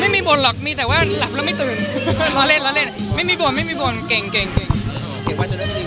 ไม่มีบ่นหรอกมีแต่ว่าหลับแล้วไม่ตื่นล้อเล่นล้อเล่นไม่มีบ่นไม่มีบ่นเก่งเก่ง